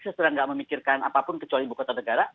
sesudah nggak memikirkan apapun kecuali buku kota negara